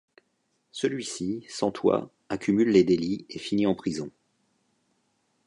Celui-ci, sans toit, accumule les délits et finit en prison.